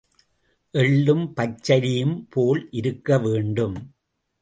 எள்ளும் பச்சரியும்போல் இருக்க வேண்டும்.